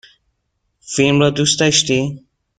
فیلم را دوست داشتی؟